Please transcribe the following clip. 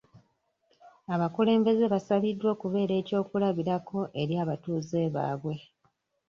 Abakulumbeze basabiddwa okubeera eky'okulabirako eri abatuuze baabwe.